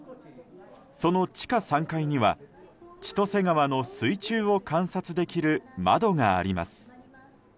その地下３階には千歳川の水中を観察できる窓があります。